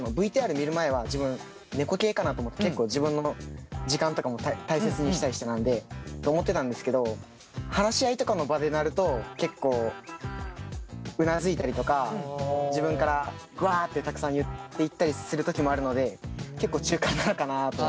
自分の時間とかも大切にしたい人なんで。と思ってたんですけど話し合いとかの場でなると結構うなずいたりとか自分からわってたくさん言っていったりする時もあるので結構中間なのかなと。